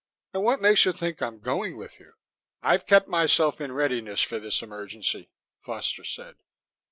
And what makes you think I'm going with you?" "I've kept myself in readiness for this emergency," Foster said.